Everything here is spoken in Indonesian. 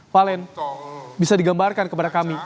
valen bisa digambarkan kepada kami